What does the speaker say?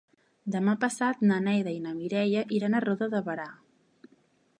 Demà passat na Neida i na Mireia iran a Roda de Berà.